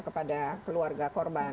kepada keluarga korban